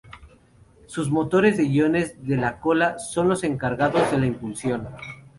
Sus motores de iones de la cola son los encargados de la impulsión.